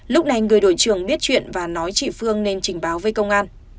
lúc này người đội trường biết chuyện và nói chị phương nên trình báo với công an